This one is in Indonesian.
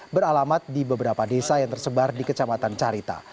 beralamat di beberapa desa yang tersebar di kecamatan carita